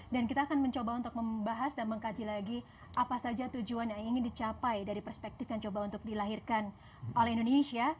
dan kita akan mencoba untuk membahas dan mengkaji lagi apa saja tujuan yang ingin dicapai dari perspektif yang coba untuk dilahirkan oleh indonesia